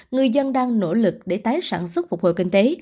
người dân đang nỗ lực để tái sản xuất phục hồi kinh tế